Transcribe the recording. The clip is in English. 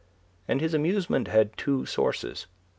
And his amusement had two sources.